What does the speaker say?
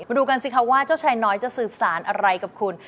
ดูกันสิคะว่าเจ้าชายน้อยจะสื่อสารอะไรกับคุณ